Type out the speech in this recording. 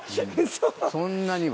そんなには。